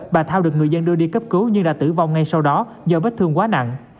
bà thao được người dân đưa đi cấp cứu nhưng đã tử vong ngay sau đó do vết thương quá nặng